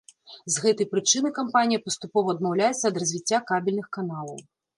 З гэтай прычыны кампанія паступова адмаўляецца ад развіцця кабельных каналаў.